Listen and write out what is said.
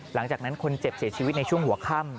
หลังจากนั้นคนเจ็บเสียชีวิตในช่วงหัวค่ำ